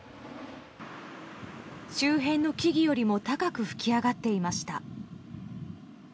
周辺の木々よりも高く噴き上がっていました。